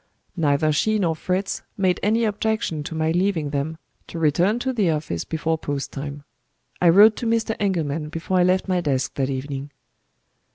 Neither she nor Fritz made any objection to my leaving them, to return to the office before post time. I wrote to Mr. Engelman before I left my desk that evening.